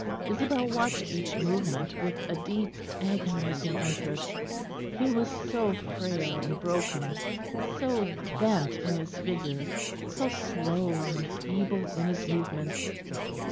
Isabel watched each movement with a deep agonising interest; he was so frail and broken, so bent in his figure, so slow and feeble in his movements.